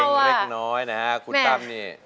แอบเกรงเล็กน้อยนะครับคุณตำนี่